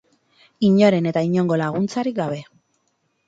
Inoren eta inongo laguntzarik gabe.